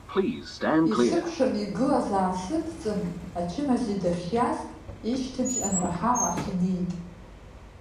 Исыкәшаны игылаз аасыдҵын, ачымазаҩ дахьиаз, ишьҭыбжь анраҳа, уахь инеит.